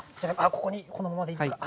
ここにこのままでいいですか？